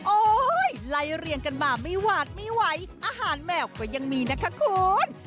ไล่เรียงกันมาไม่หวาดไม่ไหวอาหารแมวก็ยังมีนะคะคุณ